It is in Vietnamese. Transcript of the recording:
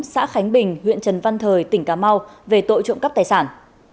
xã khánh bình huyện trần văn thời tỉnh cà mau về tội trộm cắp tài sản